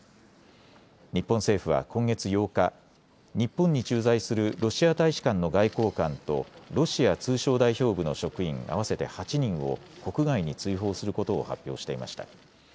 日本政府は今月８日、日本に駐在するロシア大使館の外交官とロシア通商代表部の職員合わせて８人を国外に追放することを発表していました。